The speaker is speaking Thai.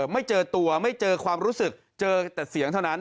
ไม่เจอตัวไม่เจอความรู้สึกเจอแต่เสียงเท่านั้น